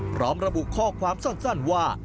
พร้อมระบุข้อความสั้นว่า